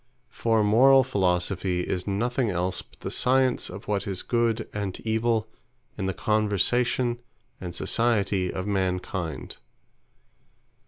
For Morall Philosophy is nothing else but the Science of what is Good, and Evill, in the conversation, and Society of mankind.